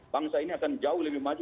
bangsa ini akan jauh lebih maju